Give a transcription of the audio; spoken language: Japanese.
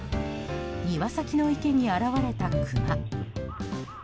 庭先の池に現れたクマ。